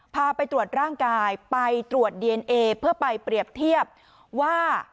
พาไปตรวจร่างกายไปตรวจดีเอนเอเพื่อไปเปรียบเทียบว่า